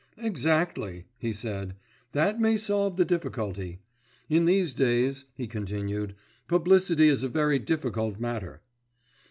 "Exactly," he said. "That may solve the difficulty. In these days," he continued, "publicity is a very difficult matter."